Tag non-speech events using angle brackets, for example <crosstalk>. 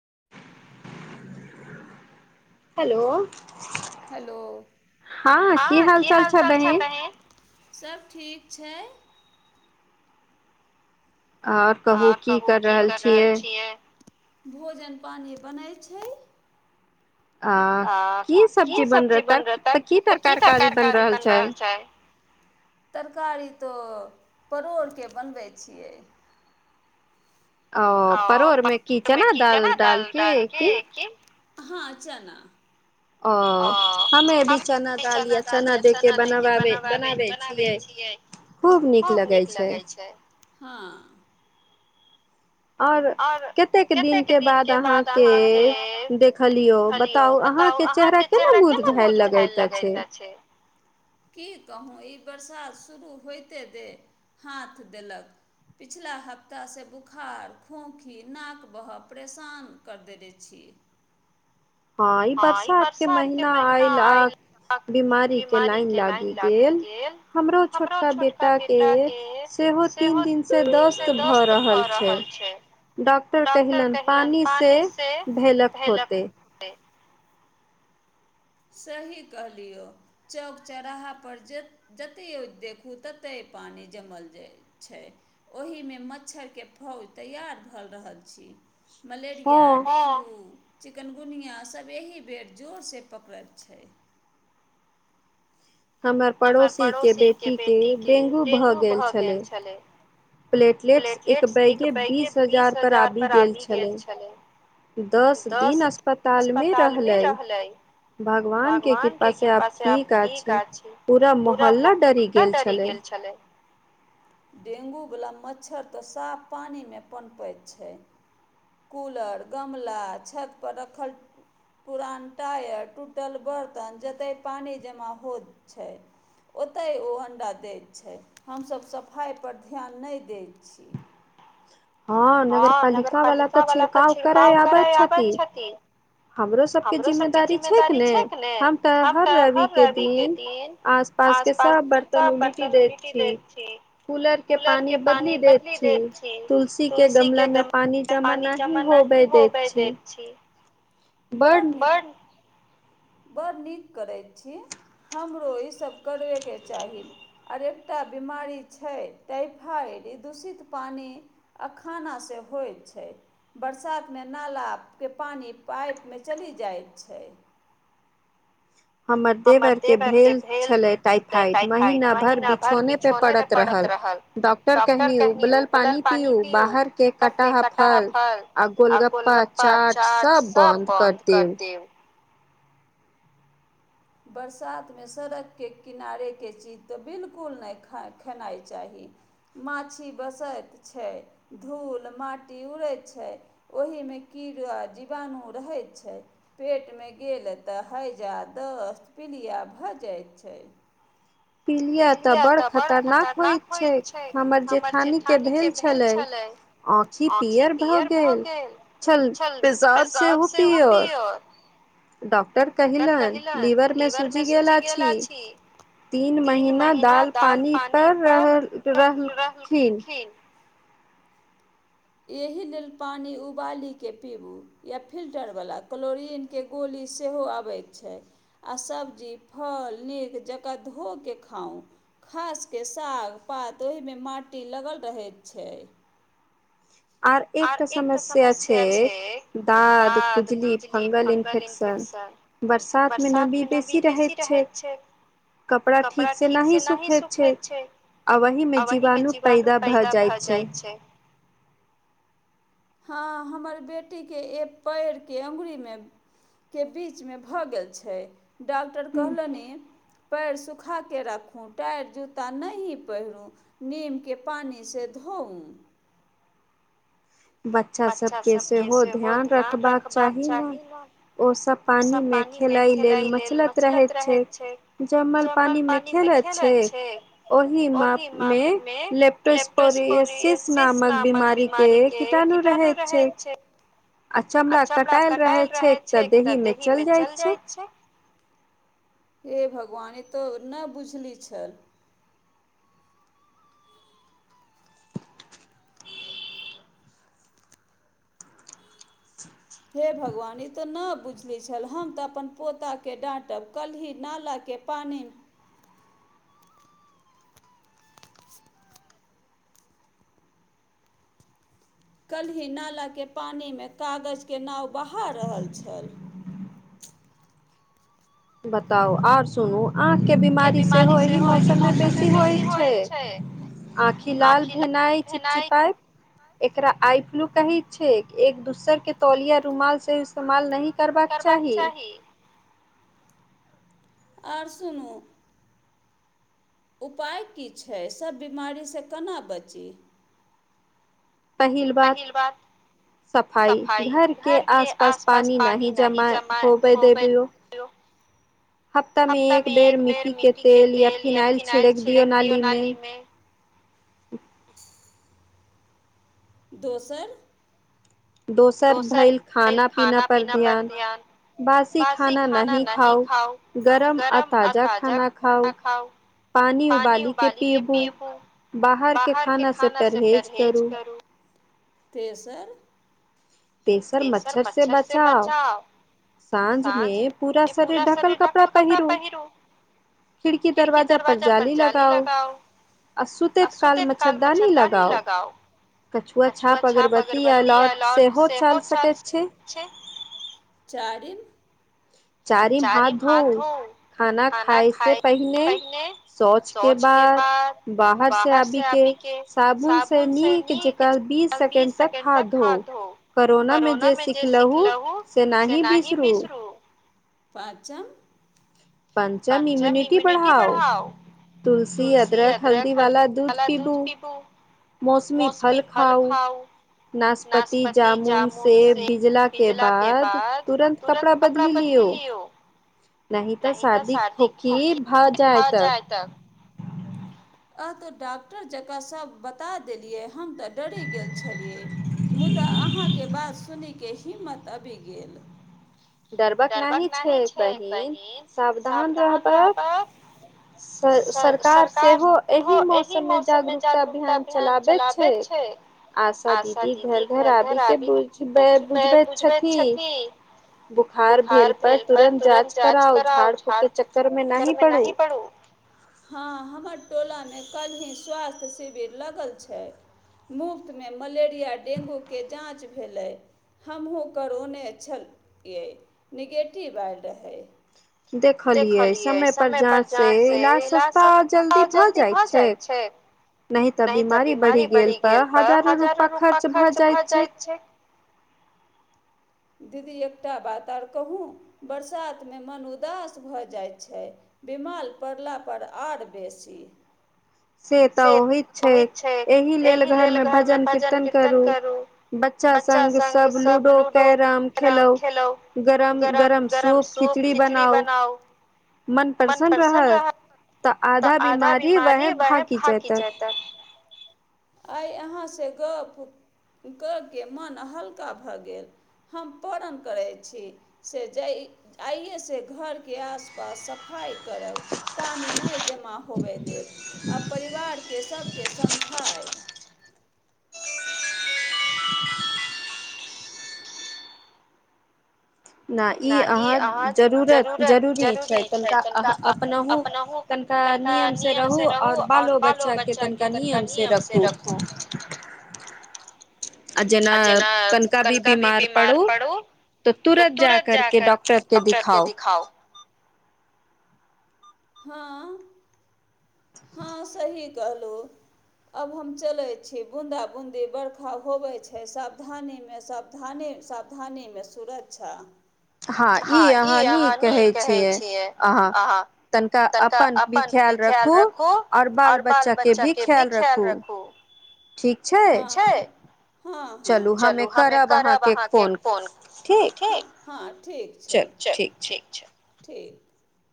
<unintelligible> Hello हँ की हाल चाल छै बहिन। सब ठीक छै। आओर कहू की कर रहल छियै। भोजन पानि बनै छै। आ की सब्जी बन त तऽ की तर तरकारी बनि रहल छै। तरकारी तऽ परोड़के बनबै छियै। ओ परोरमे कीचना दाल डालके की। हँ अचान ओ हमे भी चना दालि या चना दे कऽ बनावाबे बनाबै छियै खूब नीक लगै छै। आओर कतेक दिन के बाद अहाँके बता अहाँ के चेहरा केना बुर झ लग बरसात शुरू होइते दे हाथ देलक पिछला हप्ताँ बुखार खोँखी नाक बह परेशान कर देेलने छी। हँ ई बरसात के महीना आयल आ बिीमारी के लाइन लागि गेल हमरो छोटका बेटााक के सेहो तीन दिन से दोस्त भऽ रहल छै डॉक्टर कहलनि पानि से भेलक होते। से। सही कहलियौ चौक चौराहापर ज जतहि ओ देखू ततहि पानि जमल जाइ छै ओहीमे मच्छरके फौज तैयार भऽ रहल छी। मलेरिया डेंगू चिकनगुनिया सब एहि बेर जोरसँ पकड़ैत छै। हमर पड़ोसीके बेटीके डेंगू भऽ गेल छलै प्लेटलेटस एक बैगे बीस हजार पर आबि गेल छलै दस दिन अस्पताल मे रहलै भगवान के कृपा से आब ठीक अछि। पूरा मोहल्ला डरि गेल छलै। डेंगू वालला मच्छर तऽ साफ पानी मे पनपैत छै कूलर गमला छत पर रखल पुरान टायर टूटल बर्तन जते पानि जमा होइत छै ओतहि ओ अण्डा दै छै हमसभ सफाइपर ध्यान नहि दै छी। हँ नगरपालिका वाला तऽ छिड़काव करय आबैत छथिन। हमरो सबके जिम्मेदारी छैक ने हम तऽ हर रवि के दिन आस पास के सब बर्तन उलिटि दैत छी कूलर के पानी बदली दैत छी तुलसी के गमला मे पानी जमा नी होबे दैत छी। बन बन्द बड़ नीक करैत छी हमरो ईसभ करबेके चाही आर एकटा बीमारी छै टाइफाइड ई दूषित पानि अखाना से होइत छै बरसातमे नालाके पानि पाइपमे चलि जाइ छै। हमर देव आर के भेल छले टाइफाइड महीना भरि बिछौने पे पड़त रहल डॉक्टर कन बुलल पानि पीयू बाहरके कटाह फल आ गोलगप्पा चाट सब बन्द कर देउ। बरसातमे सड़कके किनारेके चीज तऽ बिलकुल नहि खेनाइ चाही माछी बसैत छै धूल माटी उड़ैत छै ओहिमे कीड़ा जीवाणु रहैत छै पेटमे गेल तऽ हैजत दस्त प्रिलिया भऽ जाइत छै। पीलिया तऽ बड़ खतरनाक होइत छैक हमर जेठानीके भेल छलै आऑँखि पियर भऽ गेल छल पसाब सेहो पीियर डॉक्टर कहलनि लीवरमे सूजि गेल छी। महीना दाल पानि पर रहलखिन एहि लेल पानि उबालीके पीबू या फिल्टरवला क्लोरिनके गोली सेहो अबैत छै आ सब्जी फल नीक जकाँ धोके खाउ खासके साग पात ओहिमे माटि लगल रहैत छै। आर एकटा समस्या छै दत खुजली फंगल इन्फेक्शन बरसातमे नमी बेसी रहैत छै कपड़ा ठीकसँ नहिी सुूखैत छै आ ओहीमे जीवाणु पैदा भऽ जाइत छै। हँ हमर बेटीक के एक पैर के अंगुरी मे के बीच मे भऽ गेल छै। डॉक्टर कहलनि पएर सुूखाके राखू टायर जूता नहि पहिरू नीमके पानि से धोउ। बच्चा सब के सेहो ध्यान रखबाक चाही ने ओ सब पानी मे खेलाय लेल मचलत रहैत छै जमल पानी मे खेलत छै ओहि माप मे लेप्टोस्पोरसिस नामक बीमारी के कीटाण रहज छै। आ चमड़ा कटाएल रहै छै एक तऽ देख तऽ दही मे चल जाइत छै। हे भगवान ई तऽ नहि बुझली छल हे भगवान ई तऽ नहि बुझलै छल हम तऽ अपन पोताकेँ डाँटब कल्ही नालाके पानि कल्हि नालाके पानिमे कागजके नाव बहा रहल छल। बताओ आर सुनू आंख के बीमारी सेहो एहि मौसम मे बेसी होय छै आँखि लाल भेनाइ चिपचिपइ एकरा आई फ्लू कही छै एक दूसर के तौलिया रूमाल से इ्तेमाल नहिह करबाक चाही। आओर सुनू उपाय की छै सभ बिमारीसँ केना बची। पहिल बात सफाई घर के आस पास पानी नहि जमा होबै देबौ हफ्तामे एक बेर मिट्टी के तेल या फिनाइल छिड़क दियौ नालीमे दोसर दोसर भैल खाना पीना पर ध्यान बसी खाना नी खाउ गरम आ ताजा खाना खाउ पानि उबाली के पीबू बाहर के खाना से परहेज करू। तसर तेसर मच्छर से बचााव। साँझ मे पूरा शरीर ढकल कपड़ा पहिरो खिड़की दरवाजा पर जाली लगाओ आ सुतैत काल मच्छरदानी लगाओ। व छाप अगरबत्ती अलॉट सेहो चलि सकैत छै। <unintelligible> चारिम हाथ धो खाना खााय से पहिने शौच के बाद बाहर से आबी के साबुन से नीक जक बीस सेकंड तक हाथ धो करोना में जे सिखलू से न ही बिसरू पाचम पञचम इम्यूनिटी बढ़ाउ तुलसी अदरक हल्दी वाला दूध पीबू मौसमी फल ख नाशपति जामुन से बिजला के बाद तुरन्त कपड़ा बदली लियौ न ऽ साादी खोखी भाव जाय त। आ तो डॉक्टर जकाँ सब बता देलियै हम तऽ केी मतबी गेल। डरबक नहि छै बहिन सावधान रहबह सरकार सेहो एहि मौसममे जागरूकता अभियान चलाबैत छै। आशा दीदी घर घर आबि के बुझबै बुझबै छथि। बुखार भेल पर तुरन्त जाँच कराउ झ नहि पू टोलामे कल्हि स्वास्थ्य शिविर लगल छै। मुफ्तमे मलेरिया डेंगूके जाँच भेलै हमहूँ करोने छलियै- नेगेटिव आयल रहै। देखलियै समय पर जाँच से इलाज सस्ता आ जल्दी भऽ जाइत छै -नहि तऽ बीमारी बढ़ि गेल। बढ़ गेल हजारो रुपा खर्च भऽ जाइत छै। <unintelligible> दीदी एकटा बात आओर कहू बरसातमे मन उदास भऽ जाइत छै बीमाल पड़ला परर आर बेसी से तऽ ओहि छै एहि लेल घर में भजन कीर्तन करू बच्चा सग सब लूडो कैरम खेलो गरम गरम सूप खिचड़ी बनाउ मन प्रसन्न रहत तऽ आधा बीमारी वह। है भाी जाय त। <unintelligible> आइ अहाँसँ गप्प -कऽके मन हल्का भऽ गेल हम पण करैत छी से जाइ आइएसँ घरके आसपास सफाइ। ब पानि नहि जमा होबय देब आ परिवारके सभके। नहि ई अहाँ जरूरत जरूरी छै तनिका अह अपनहूँ तनिका नियमसँ रहू आओर बालो बच्चाके तनिका नियमसँ रखू। <unintelligible> आ जेना कनिका भी बीमार पड़ो तऽ तुरत जा करके डॉक्टर के दिखाउ। <unintelligible> हँ। <unintelligible> <unintelligible> हँ सही। कहलहुँ आब हम चलै छी बून्द बून्दी बरखा होबै छै सावधानीमे सावधानी -सावधानीमे सुरक्षा। हँ ई अहाँ न कहै छियै -अहाँ तन। <unintelligible> क अपन भी ख्याल राखू आओर बाल बच्चाके भी ख्याल राखू। <unintelligible> छै ह -चलू हमे करब अहाँके फोन ठीक। <unintelligible> ठीक छै चल ठीक छै। <unintelligible> ठीक। <unintelligible>